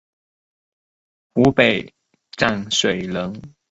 湖北蕲水人。